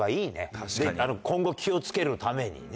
今後気を付けるためにね。